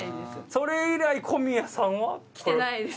それ以来小宮さんは？来てないです。